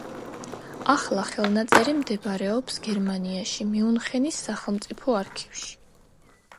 ახლა ხელნაწერი მდებარეობს გერმანიაში, მიუნხენის სახელმწიფო არქივში.